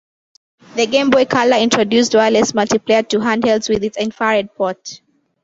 The Game Boy Color introduced wireless multiplayer to handhelds with its infrared port.